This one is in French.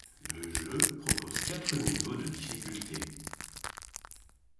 Le jeu propose quatre niveaux de difficulté.